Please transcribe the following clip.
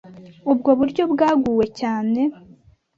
ubwo buryo bwaguwe cyane